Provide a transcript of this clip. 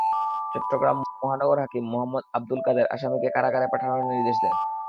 চট্টগ্রাম মহানগর হাকিম মোহাম্মদ আবদুল কাদের আসামিকে কারাগারে পাঠানোর আদেশ দেন।